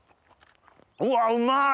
うわうまい！